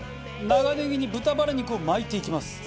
長ねぎに豚バラ肉を巻いていきます。